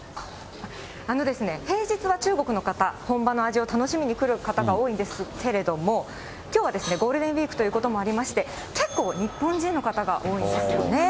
平日は中国の方、本場の味を楽しみに来る方が多いんですけれども、きょうはゴールデンウィークということもありまして、結構日本人の方が多いんですよね。